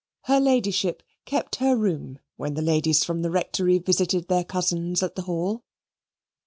Her Ladyship kept her room when the ladies from the Rectory visited their cousins at the Hall.